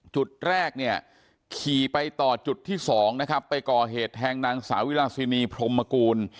จุดแรกเนี่ยขี่ไปต่อจุดที่สองนะครับไปก่อเหตุแทงนางสาวิราชินีพรมกูล